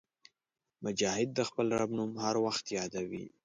مجاهد د خپل رب نوم هر وخت یادوي.